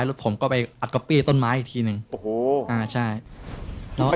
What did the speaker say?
รถบ้างนะ